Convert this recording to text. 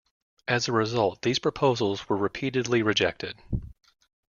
As a result, these proposals were repeatedly rejected.